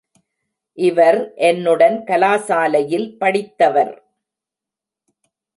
இவர் என்னுடன் கலாசாலையில் படித்தவர்.